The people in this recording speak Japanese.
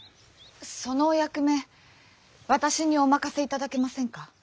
そのお役目私にお任せいただけませんか？